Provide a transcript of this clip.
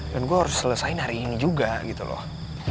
dan gue harus selesain hari ini juga gitu loh